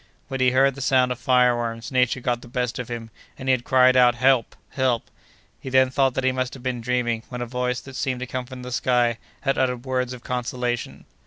When he heard the sound of fire arms, nature got the best of him, and he had cried out, "Help! help!" He then thought that he must have been dreaming, when a voice, that seemed to come from the sky, had uttered words of consolation.